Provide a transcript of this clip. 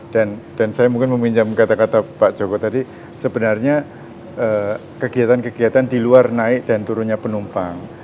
dan dan saya mungkin meminjam kata kata pak joko tadi sebenarnya kegiatan kegiatan di luar naik dan turunnya pulang